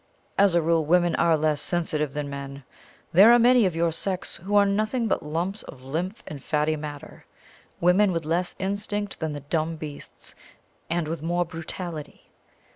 As a rule, women are less sensitive than men. There are many of your sex who are nothing but lumps of lymph and fatty matter women with less instinct than the dumb beasts, and with more brutality.